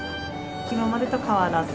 今までと変わらず。